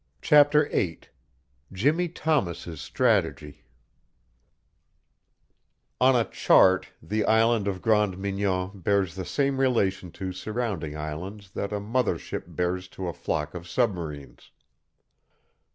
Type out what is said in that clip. CHAPTER VIII JIMMIE THOMAS'S STRATEGY On a chart the island of Grande Mignon bears the same relation to surrounding islands that a mother ship bears to a flock of submarines.